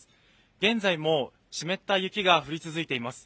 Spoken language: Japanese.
現在も湿った雪が降り続いています。